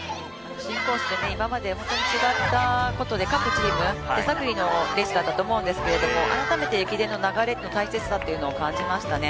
新コース、今までと違ったことで各チーム、手探りのレースだったと思うんですが、改めて駅伝の流れ、大切さというのを感じましたね。